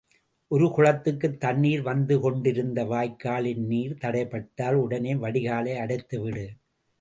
ஒரு குளத்துக்கு தண்ணீர் வந்து கொண்டிருந்த வாய்க்காலின் நீர் தடைப்பட்டால் உடனே வடிகாலை அடைத்துவிடு.